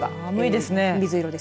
寒いですね。